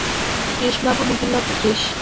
শ্রীশবাবু, বিপিনবাবু– Shrish.